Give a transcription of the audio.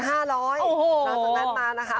แล้วสักนั้นมานะคะ